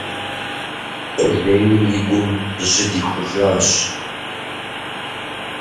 Къулейм и гум жьы дихужащ.